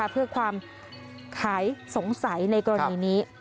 เพื่อความขายสงสัยในกรณีนี้